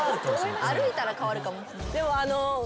歩いたら変わるかも。